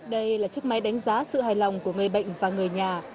đây là chiếc máy đánh giá sự hài lòng của người bệnh và người nhà